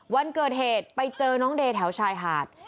วันเกิดเหตุไปเจอน้องเดย์แถวชายหาด